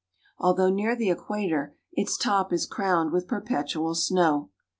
Although near the equator, its top is crowned with perpetual snow.